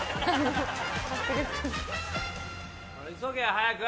・急げ早く！